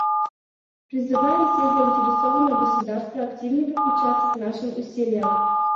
Призываем все заинтересованные государства активнее подключаться к нашим усилиям.